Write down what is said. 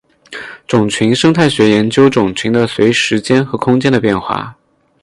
种群生态学研究种群的随时间和空间的变化。